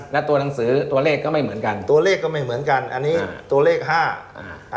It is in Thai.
และตัวหนังสือตัวเลขก็ไม่เหมือนกันตัวเลขก็ไม่เหมือนกันอันนี้ตัวเลขห้าอ่า